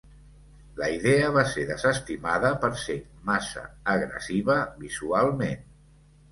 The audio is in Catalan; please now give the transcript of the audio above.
La idea va ser desestimada per ser massa agressiva visualment.